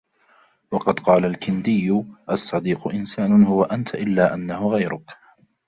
وَقَدْ قَالَ الْكِنْدِيُّ الصَّدِيقُ إنْسَانٌ هُوَ أَنْتَ إلَّا أَنَّهُ غَيْرُك